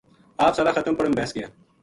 آپ سارا ختم پڑھن بیس گیا